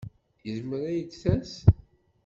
Izmer ad d-tas.